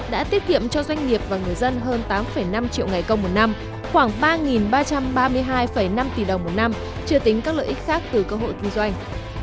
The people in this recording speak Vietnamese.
đã tiết kiệm cho doanh nghiệp và người dân hơn tám năm triệu ngày công một năm chưa tính các lợi ích khác từ cơ hội kinh doanh